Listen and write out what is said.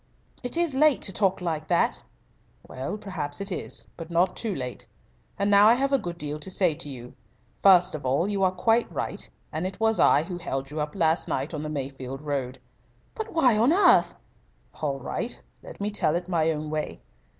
"It is late to talk like that." "Well, perhaps it is; but not too late. And now I have a good deal to say to you. First of all, you are quite right, and it was I who held you up last night on the Mayfield road." "But why on earth " "All right. Let me tell it my own way.